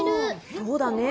そうだねえ。